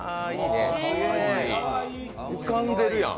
浮かんでるやん。